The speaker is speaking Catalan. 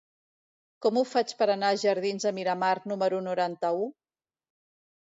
Com ho faig per anar als jardins de Miramar número noranta-u?